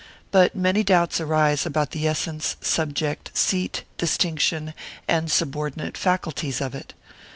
But many doubts arise about the essence, subject, seat, distinction, and subordinate faculties of it.